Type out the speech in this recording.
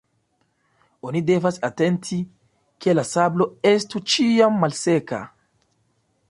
Oni devas atenti, ke la sablo estu ĉiam malseka.